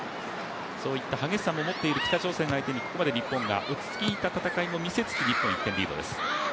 そういった激しさも持っている北朝鮮相手に、ここまで日本が落ち着いた戦いも見せつつ、日本は１点リードです。